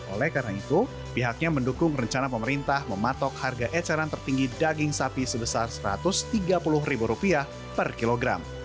oleh karena itu pihaknya mendukung rencana pemerintah mematok harga eceran tertinggi daging sapi sebesar rp satu ratus tiga puluh per kilogram